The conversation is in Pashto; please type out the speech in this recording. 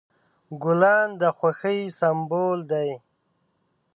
ګلان د خوښۍ سمبول دي.